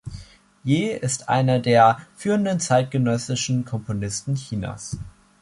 Ye ist einer der führenden zeitgenössischen Komponisten Chinas.